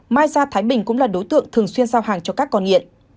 mai gia thái bình cũng là đối tượng thường xuyên giao hàng cho các con nghiện